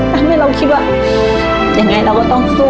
ทำให้เราคิดว่ายังไงเราก็ต้องสู้